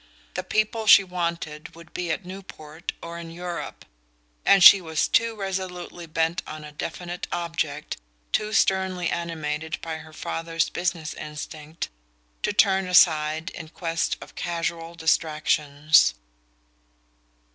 The people she wanted would be at Newport or in Europe, and she was too resolutely bent on a definite object, too sternly animated by her father's business instinct, to turn aside in quest of casual distractions.